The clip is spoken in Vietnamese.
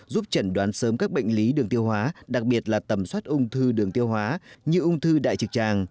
giúp chẩn đoán sớm các bệnh lý đường tiêu hóa đặc biệt là tầm soát ung thư đường tiêu hóa như ung thư đại trực tràng